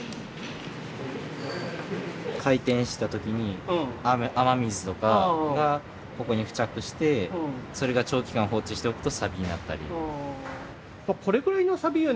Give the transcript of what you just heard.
回転した時に雨水とかがここに付着してそれが長期間放置しておくとサビになったり。